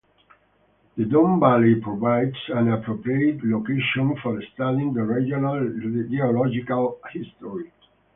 The Don Valley provides an appropriate location for studying the regional geological history.